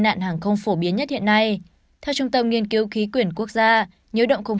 nạn hàng không phổ biến nhất hiện nay theo trung tâm nghiên cứu khí quyển quốc gia nhớ động không